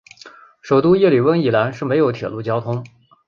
首都叶里温以南没有铁路交通。